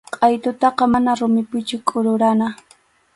Qʼaytutaqa mana rumipichu kururana.